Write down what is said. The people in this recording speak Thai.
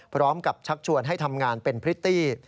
พร้อมกับชักชวนให้ทำงานเป็นพริตตี้